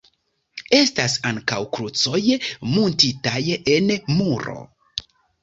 Estas ankaŭ krucoj muntitaj en muro.